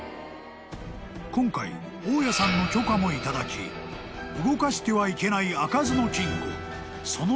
［今回大家さんの許可も頂き動かしてはいけない］